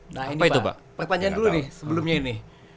nah ini pak pak panjan dulu nih sebelumnya ini